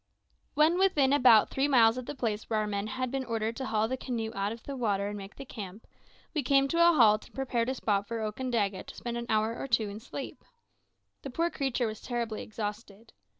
When within about three miles of the place where our men had been ordered to haul the canoe out of the water and make the camp, we came to a halt and prepared a spot for Okandaga to spend an hour or two in sleep. The poor creature was terribly exhausted.